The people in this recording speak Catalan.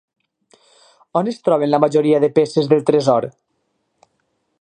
On es troben la majoria de peces del tresor?